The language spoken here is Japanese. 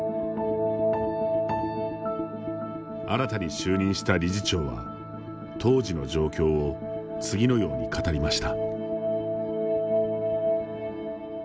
新たに就任した理事長は当時の状況を次のように語りました。